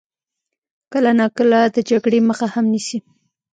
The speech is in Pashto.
کله ناکله د جګړې مخه هم نیسي.